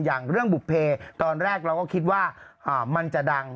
อย่างเรื่องบุภเพตอนแรกเราก็คิดว่ามันจะดัง